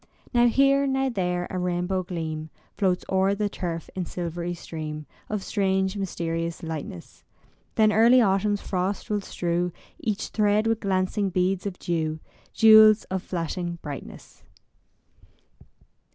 Now here, now there, a rainbow gleam Floats o'er the turf in silvery stream Of strange mysterious lightness. Then early autumn's frosts will strew Each thread with glancing beads of dew, Jewels of flashing brightness.